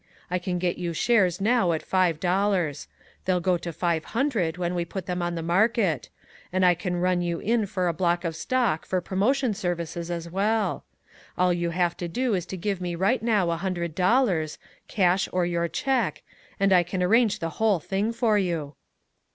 I can get you shares now at five dollars. They'll go to five hundred when we put them on the market, and I can run you in for a block of stock for promotion services as well. All you have to do is to give me right now a hundred dollars, cash or your cheque, and I can arrange the whole thing for you."